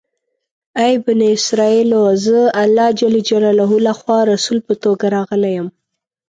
ای بني اسرایلو! زه الله جل جلاله لخوا رسول په توګه راغلی یم.